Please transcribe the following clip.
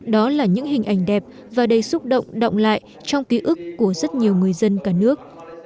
đó là những hình ảnh đẹp và đầy xúc động động lại trong ký ức của rất nhiều người dân cả nước